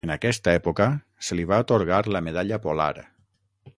En aquesta època, se li va atorgar la medalla polar.